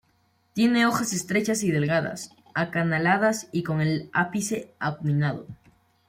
Tiene hojas estrechas y delgadas, acanaladas y con el ápice acuminado.